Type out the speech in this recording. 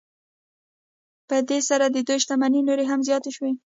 په دې سره د دوی شتمنۍ نورې هم زیاتې شوې